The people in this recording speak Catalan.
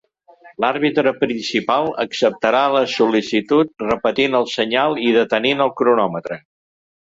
L'àrbitre principal acceptarà la sol·licitud repetint el senyal i detenint el cronòmetre.